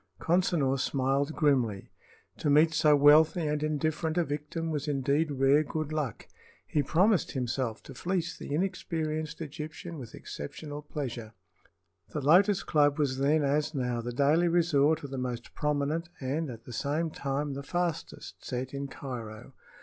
Consinor smiled grimly. To meet so wealthy and indifferent a victim was indeed rare good luck. He promised himself to fleece the inexperienced Egyptian with exceptional pleasure. The Lotus Club was then, as now, the daily resort of the most prominent and at the same time the fastest set in Cairo.